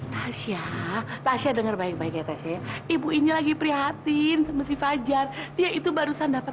tasha tasha denger baik baik ya tasha ibu ini lagi prihatin meski fajar dia itu barusan dapat